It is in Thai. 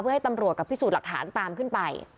เพื่อให้ตำรวจกับพิสูจน์หลักฐานตามขึ้นไป